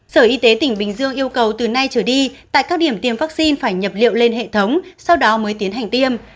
sở y tế tỉnh bình dương yêu cầu từ nay trở đi tại các điểm tiêm vaccine phải nhập liệu lên hệ thống sau đó mới tiến hành tiêm